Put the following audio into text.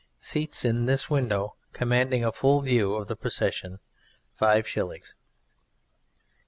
SEATS IN THIS WINDOW, COMMANDING A FULL VIEW OF THE PROCESSION, 5S.